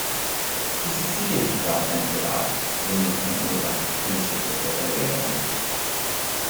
He succeeded Hadad ben Bedad in the apparently elective kingship of the early Edomites.